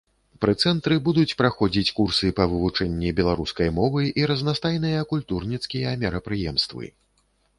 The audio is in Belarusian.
Пры цэнтры будуць праходзіць курсы па вывучэнні беларускай мовы і разнастайныя культурніцкія мерапрыемствы.